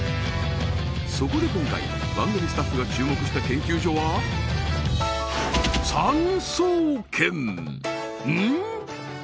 そこで今回番組スタッフが注目した研究所はうん？